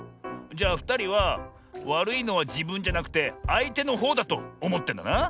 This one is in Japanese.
じゃあふたりはわるいのはじぶんじゃなくてあいてのほうだとおもってんだな。